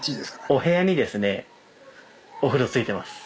お部屋にですねお風呂付いてます。